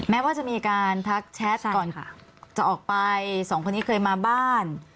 แม้ว่าจะมีการทักแชทก่อนจะออกไปสองคนนี้เคยมาบ้าน